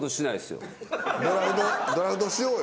ドラフトしようよ。